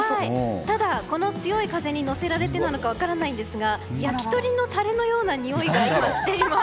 ただ、この強い風に乗せられてなのか分かりませんが焼き鳥のタレのようなにおいが今しています！